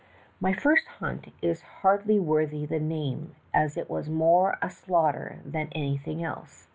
" My first hunt is hardly worthy the name, as it was more a slaughter than anything else.